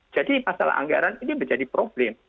jadi masalah anggaran ini menjadi problem